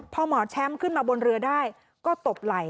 พอหมอแชมป์ขึ้นมาบนเรือได้ก็ตบไหล่